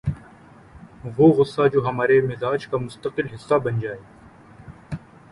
وہ غصہ جو ہمارے مزاج کا مستقل حصہ بن جائے